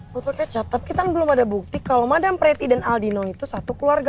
boto kecap kita kan belum ada bukti kalo madam preti dan aldino itu satu keluarga